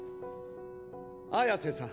彩瀬さん。